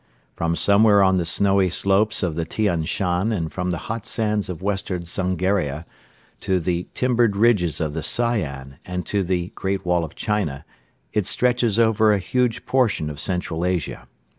From somewhere on the snowy slopes of the Tian Shan and from the hot sands of Western Zungaria to the timbered ridges of the Sayan and to the Great Wall of China it stretches over a huge portion of Central Asia.